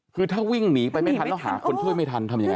คือถ้าวิ่งหนีไปไม่ทันแล้วหาคนช่วยไม่ทันทำยังไง